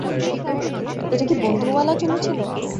এটা কি বন্ধুওয়ালা চুমু ছিল?